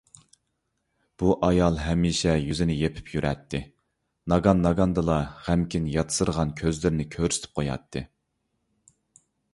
بۇ ئايال ھەمىشە يۈزىنى يېپىپ يۈرەتتى. ناگان - ناگاندىلا غەمكىن ياتسىرىغان كۆزلىرىنى كۆرسىتىپ قوياتتى.